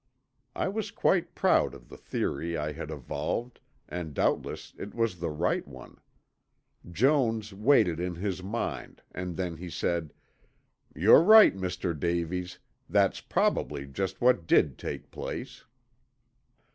I was quite proud of the theory I had evolved and doubtless it was the right one. Jones weighed it in his mind and then he said, "You're right, Mr. Davies, that's probably just what did take place."